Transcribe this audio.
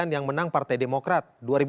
dua ribu sembilan yang menang partai demokrat